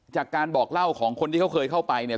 จากการบอกเล่าของคนที่เขาเคยเข้าไปเนี่ย